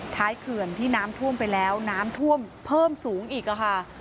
เขื่อนที่น้ำท่วมไปแล้วน้ำท่วมเพิ่มสูงอีกค่ะ